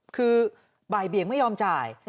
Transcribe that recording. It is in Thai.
คือบ่ายเบี่ยงไม่ยอมจ่าย